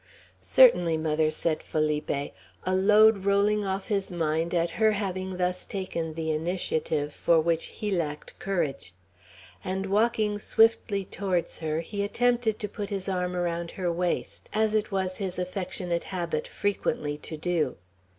"Certainly, mother," said Felipe, a load rolling off his mind at her having thus taken the initiative, for which he lacked courage; and walking swiftly towards her, he attempted to put his arm around her waist, as it was his affectionate habit frequently to do.